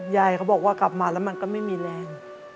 ยายเขาบอกว่ากลับมาแล้วมันก็ไม่มีแรง